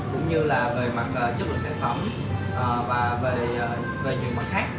cũng như là về mặt chất lượng sản phẩm và về những mặt khác